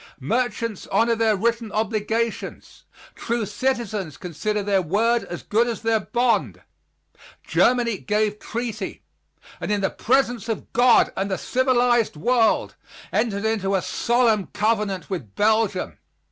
Merchants honor their written obligations. True citizens consider their word as good as their bond; Germany gave treaty, and in the presence of God and the civilized world, entered into a solemn covenant with Belgium.